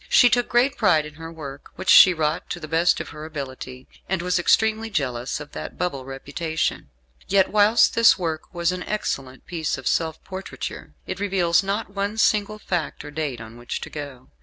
She took great pride in her work, which she wrought to the best of her ability, and was extremely jealous of that bubble reputation. Yet whilst this work was an excellent piece of self portraiture, it reveals not one single fact or date on which to go.